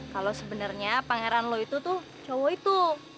kalau sebenarnya pangeran lo itu tuh cowok itu